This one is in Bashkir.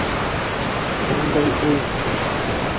Ундай уй...